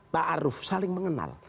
pak arief saling mengenal